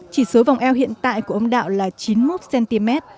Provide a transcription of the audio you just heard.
chỉ số vòng eo hiện tại của ông đạo là chín mươi một cm